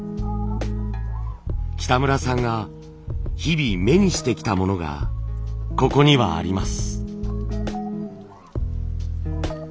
北村さんが日々目にしてきたものがここにはあります。